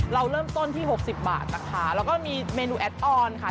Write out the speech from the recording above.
เราเริ่มต้นที่๖๐บาทนะคะแล้วก็มีเมนูแอดออนค่ะ